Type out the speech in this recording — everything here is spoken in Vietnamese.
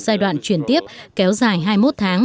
giai đoạn chuyển tiếp kéo dài hai mươi một tháng